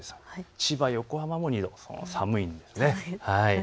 千葉、横浜も２度、寒いです。